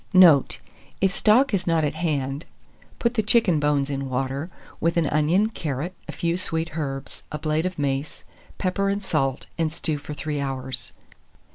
Note. If stock is not at hand, put the chicken bones in water, with an onion, carrot, a few sweet herbs, a blade of mace, pepper and salt, and stew for 3 hours.